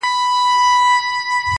خوشحال بلله پښتانه د لندو خټو دېوال.!